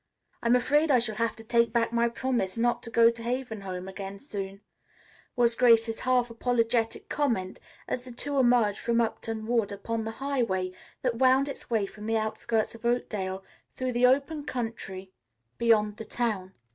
"I am afraid I shall have to take back my promise not to go to Haven Home again soon," was Grace's half apologetic comment as the two emerged from Upton Wood upon the highway that wound its way from the outskirts of Oakdale through the open country beyond the town.